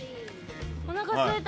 おなかすいた。